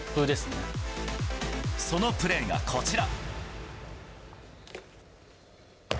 そのプレーがこちら。